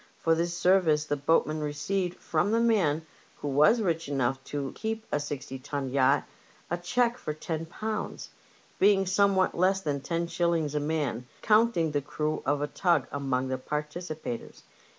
For this service the boat men received from the man who was rich enough to keep a sixty ton yacht a cheque for £10 !— ^being somewhat less than IO5. a man, counting the crew of a tug among the participators.